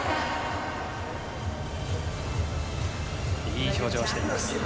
いい表情をしています